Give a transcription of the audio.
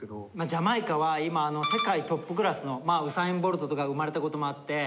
ジャマイカは今世界トップクラスのまあウサイン・ボルトとかが生まれた事もあって。